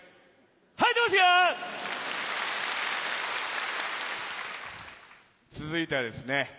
はいてますよ！続いてはですね